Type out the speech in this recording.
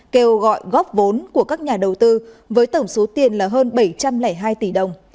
kêu gọi góp vốn của các nhà đầu tư với tổng số tiền là hơn bảy trăm linh hai tỷ đồng